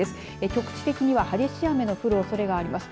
局地的には激しい雨の降るおそれがあります。